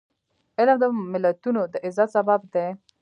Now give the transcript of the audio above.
علم د ملتونو د عزت سبب دی.